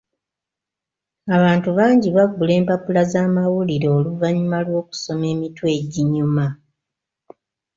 Abantu bangi bagula empapula z'amawulire oluvannyuma lw'okusoma emitwe eginyuma.